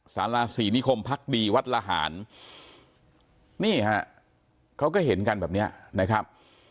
สาราศรีนิคมพักดีวัดละหารนี่ฮะเขาก็เห็นกันแบบเนี้ยนะครับ